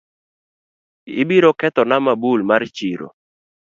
Ibiro kethona mabul mar chiro